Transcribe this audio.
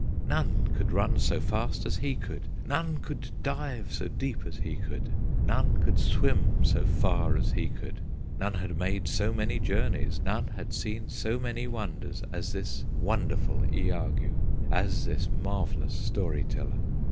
None could run so fast as he could, None could dive so deep as he could, None could swim so far as he could; None had made so many journeys, None had seen so many wonders, As this wonderful Iagoo, As this marvellous story teller!